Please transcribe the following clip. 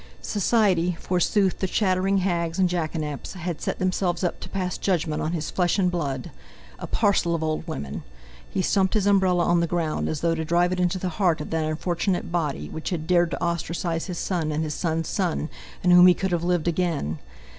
Society, forsooth, the chattering hags and jackanapes—had set themselves up to pass judgment on his flesh and blood! A parcel of old women! He stumped his umbrella on the ground, as though to drive it into the heart of that unfortunate body, which had dared to ostracize his son and his son's son, in whom he could have lived again!